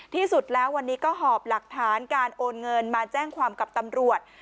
ที่สุดแล้ววันนี้ก็หอบหลักฐานการโอนเงินมาแจ้งความกับตำรวจ